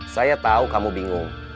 saya tahu kamu bingung